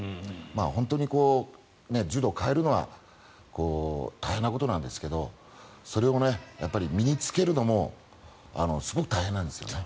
本当に柔道を変えるのは大変なことなんですけどそれを身に着けるのもすごく大変なんですよね。